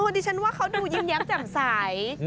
ดิฉันว่าเค้ายึมยัพย์แจ่มใส